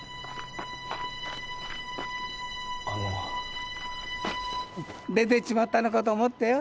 あの出てっちまったのかと思ってよ